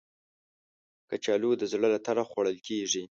کچالو د زړه له تله خوړل کېږي